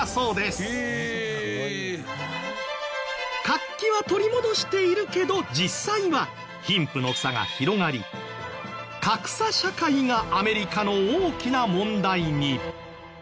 活気は取り戻しているけど実際は貧富の差が広がり格差社会がアメリカの大きな問題に。